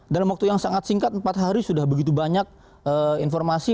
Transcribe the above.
dalam waktu yang sangat singkat empat hari sudah begitu banyak informasi